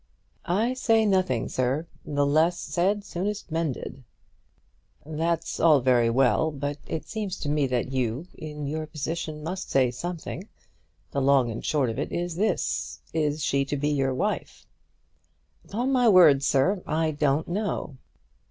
"I say nothing, sir. The less said the soonest mended." "That's all very well; but it seems to me that you, in your position, must say something. The long and the short of it is this. Is she to be your wife?" "Upon my word, sir, I don't know."